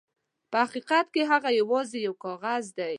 په حقیقت کې هغه یواځې یو کاغذ دی.